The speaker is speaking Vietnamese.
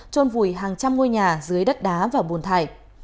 trôn vùi hàng trăm ngôi nhà dưới đất đá và bùn thải